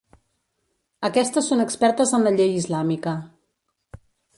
Aquestes són expertes en la llei islàmica.